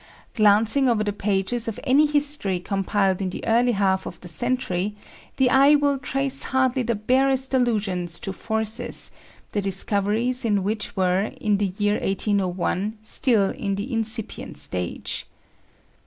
Glancing over the pages of any history compiled in the early half of the century, the eye will trace hardly the barest allusions to forces, the discoveries in which were, in the year 1801, still in the incipient stage.